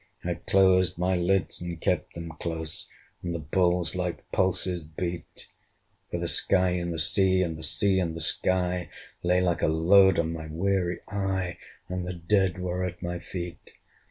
I closed my lids, and kept them close, And the balls like pulses beat; For the sky and the sea, and the sea and the sky Lay like a load on my weary eye, And the dead were at my feet.